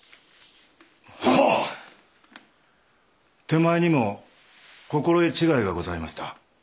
手前にも心得違いがございました。